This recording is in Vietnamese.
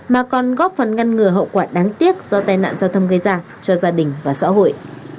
mà còn góp phần ngăn ngừa hậu quả đáng tiếc do tai nạn giao thông gây ra cho gia đình và xã hội